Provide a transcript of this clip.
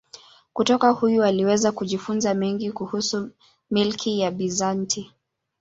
Kutoka huyu aliweza kujifunza mengi kuhusu milki ya Bizanti.